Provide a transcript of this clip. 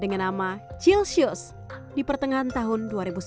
dengan nama chill shoes di pertengahan tahun dua ribu sebelas